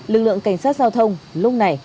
lực lượng cảnh sát giao thông lúc này